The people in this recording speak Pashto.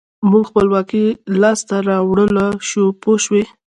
موږ خپلواکي لاسته راوړلای شو پوه شوې!.